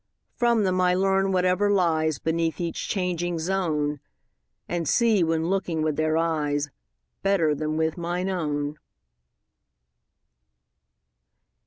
From them I learn whatever lies Beneath each changing zone, And see, when looking with their eyes, 35 Better than with mine own.